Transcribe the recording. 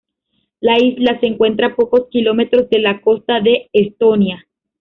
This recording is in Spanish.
Las islas se encuentran a pocos kilómetros de la costa de Estonia.